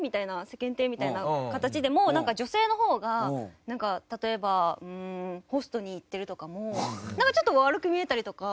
世間体みたいな形でも女性の方が例えばうーんホストに行ってるとかもなんかちょっと悪く見えたりとか。